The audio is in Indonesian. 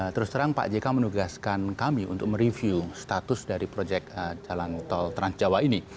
terus terang pak jk menugaskan kami untuk mereview status dari proyek jalan tol trans jawa ini